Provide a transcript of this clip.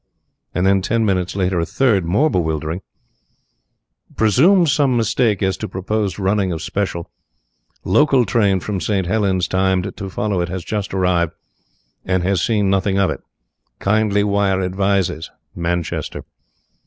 And then ten minutes later a third, more bewildering "Presume some mistake as to proposed running of special. Local train from St. Helens timed to follow it has just arrived and has seen nothing of it. Kindly wire advices. Manchester."